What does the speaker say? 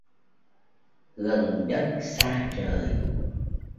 Gần đất xa trời